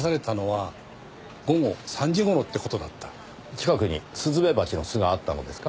近くにスズメバチの巣があったのですか？